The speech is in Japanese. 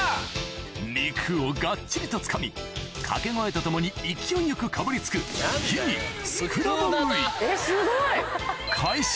肉をがっちりとつかみ掛け声とともに勢いよくかぶりつくえっすごい！